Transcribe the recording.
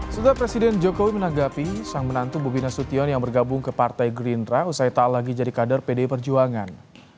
setelah presiden jokowi menanggapi sang menantu bobi nasution yang bergabung ke partai gerindra usai tak lagi jadi kader pdi perjuangan